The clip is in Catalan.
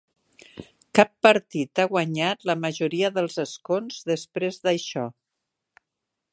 Cap partit ha guanyat la majoria dels escons després d'això.